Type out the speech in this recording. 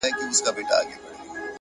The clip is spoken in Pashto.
د ژوندانه كارونه پاته رانه ـ